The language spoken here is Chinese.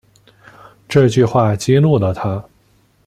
这句话激怒了他